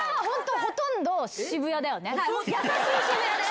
優しい渋谷です！